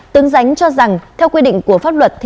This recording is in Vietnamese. tướng ránh cho rằng theo quy định của pháp luật